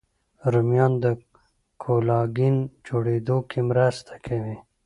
رومیان د کولاګین جوړېدو کې مرسته کوي